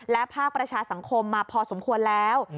และภาคประชาสังคมมาพอสมควรแล้ว